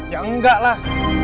ya enggak lah